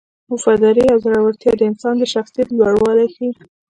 وفاداري او زړورتیا د انسان د شخصیت لوړوالی ښيي.